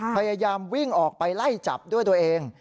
พยายามวิ่งออกไปไล่จับด้วยตัวเอง